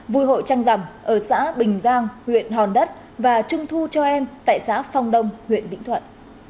vui hội trăng rằm ở xã bình giang huyện hòn đất và trung thu cho em tại xã phong đông huyện vĩnh thuận